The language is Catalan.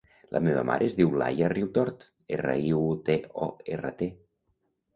La meva mare es diu Laia Riutort: erra, i, u, te, o, erra, te.